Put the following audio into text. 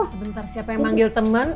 sebentar siapa yang manggil teman